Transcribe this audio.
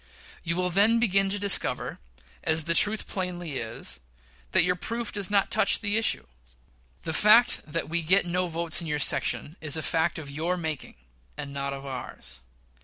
You will then begin to discover, as the truth plainly is, that your proof, does not touch the issue. The fact that we get no votes in your section is a fact of your making, and not of ours.